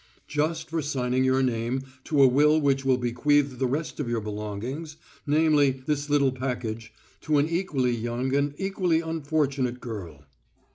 "Just for signing your name to a will which will bequeath the rest of your belongings, namely, this little package, to an equally young and equally unfortunate girl."